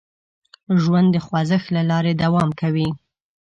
ژوند د خوځښت له لارې دوام کوي.